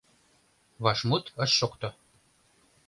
Вашмут ыш шокто.